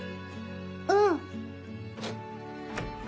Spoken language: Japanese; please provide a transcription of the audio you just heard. うん。